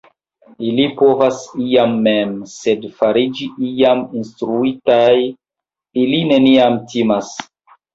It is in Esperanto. ili povas iam mem, sed fariĝi iam instruitaj ili neniam timas!